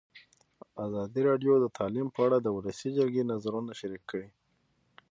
ازادي راډیو د تعلیم په اړه د ولسي جرګې نظرونه شریک کړي.